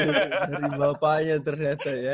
dari bapaknya ternyata ya